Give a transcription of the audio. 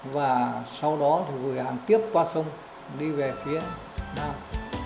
và sau đó thì gửi hàng tiếp qua sông đi về phía nam